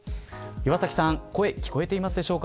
岩崎さん声聞こえていますでしょうか。